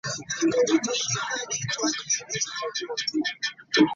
However, they were repulsed by the Ruthvens, who were assisted by the Clan Moncreiffe.